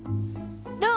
どう？